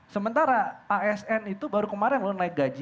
sementara asn itu baru kemarin lo naik gaji